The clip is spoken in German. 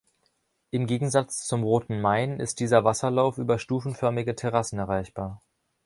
Im Gegensatz zum Roten Main ist dieser Wasserlauf über stufenförmige Terrassen erreichbar.